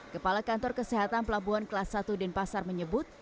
kepala kantor kesehatan pelabuhan kelas satu denpasar menyebut